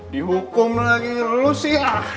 dihukum lagi lu si